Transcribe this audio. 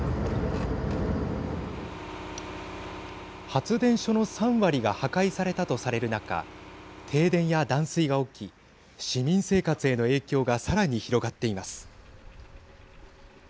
発電所の３割が破壊されたとされる中停電や断水が起き市民生活への影響がさらに広がっています。